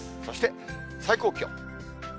そして最高気温。